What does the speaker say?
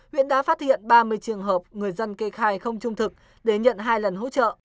huyện đã phát hiện ba mươi trường hợp người dân kê khai không trung thực để nhận hai lần hỗ trợ